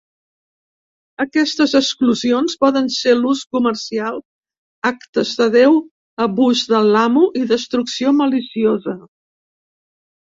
Aquestes exclusions poden ser l'ús comercial, "actes de Déu", abús de l'amo i destrucció maliciosa.